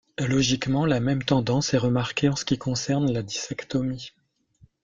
Logiquement la même tendance est remarquée en ce qui concerne la discectomie.